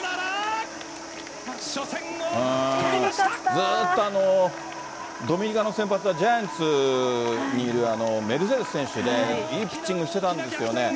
ずっと、ドミニカの先発はジャイアンツにいるメルセデス選手でいいピッチングしてたんですよね。